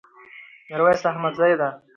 ميرويس احمدزي ده